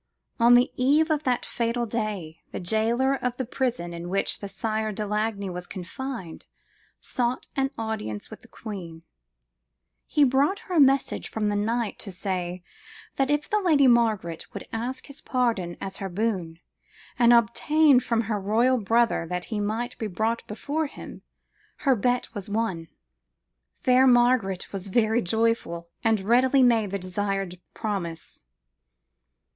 On the eve of the fatal day, the jailor of the prison in which the Sire de Lagny was confined sought an audience of the Queen; he brought her a message from the knight to say, that if the Lady Margaret would ask his pardon as her boon, and obtain from her royal brother that he might be brought before him, her bet was won. Fair Margaret was very joyful, and readily made the desired promise.